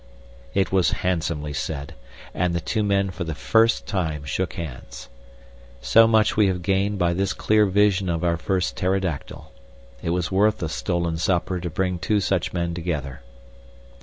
It was handsomely said, and the two men for the first time shook hands. So much we have gained by this clear vision of our first pterodactyl. It was worth a stolen supper to bring two such men together.